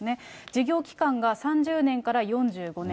事業期間が３０年から４５年。